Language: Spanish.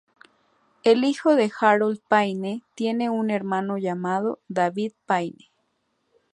Es hijo de Harold Payne, tiene un hermano llamado David Payne.